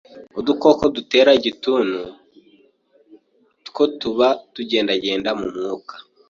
Udukoko dutera igituntu ngo tuba tugendagenda mu mwuka